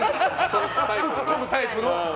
ツッコむタイプの。